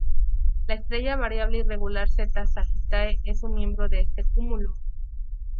La estrella variable irregular Z Sagittae es un miembro de este cúmulo.